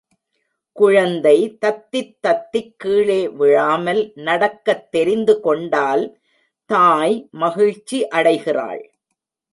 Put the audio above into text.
குழந்தை தத்தித் தத்திக் கீழே விழாமல் நடக்கத் தெரிந்து கொண்டால் தாய் மகிழ்ச்சி அடைகிறாள்.